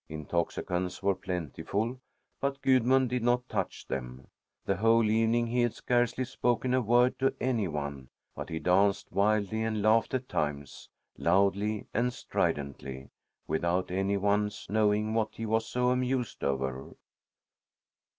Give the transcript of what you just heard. Intoxicants were plentiful, but Gudmund did not touch them. The whole evening he had scarcely spoken a word to any one, but he danced wildly and laughed at times, loudly and stridently, without any one's knowing what he was so amused over.